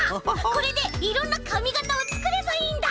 これでいろんなかみがたをつくればいいんだ！